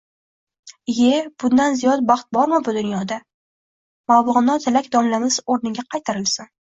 Ie, bundan ziyod baxt bormi dunyoda «Mavlono Tilak domlamiz o‘rniga qaytarilsin!»